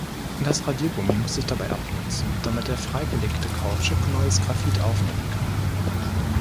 Das Radiergummi muss sich dabei abnutzen, damit der freigelegte Kautschuk neues Graphit aufnehmen kann.